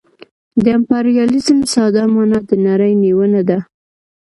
د امپریالیزم ساده مانا د نړۍ نیونه ده